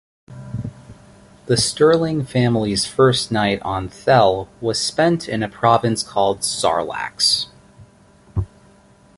The Sterling family's first night on Thel was spent in a province called Sarlax.